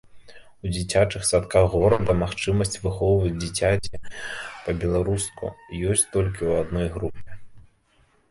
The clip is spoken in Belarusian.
У дзіцячых садках горада магчымасць выхоўваць дзіцяці па-беларуску ёсць толькі ў адной групе.